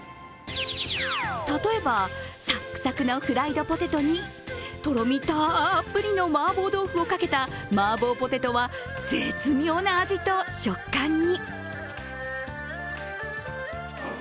例えば、さっくさくのフライドポテトに、とろみたっぷりの麻婆豆腐をかけた麻婆ポテトは絶妙な味と食感に。